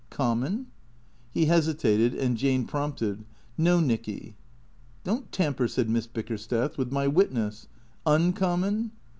"Common?" He hesitated and Jane prompted. " No, Nicky." " Don't tamper," said Miss Bickersteth, " with my witness. Uncommon